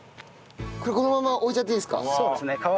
これこのまま置いちゃっていいんですか？